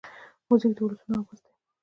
موزیک د ولسونو آواز دی.